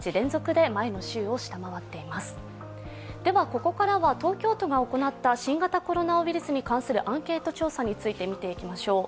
ここからは東京都が行った新型コロナウイルスに関するアンケート調査について見ていきましょう。